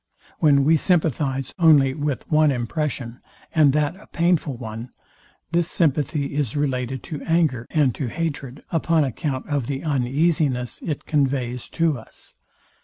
When we sympathize only with one impression, and that a painful one, this sympathy is related to anger and to hatred, upon account of the uneasiness it conveys to us.